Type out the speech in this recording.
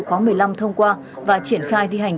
khóa một mươi năm thông qua và triển khai thi hành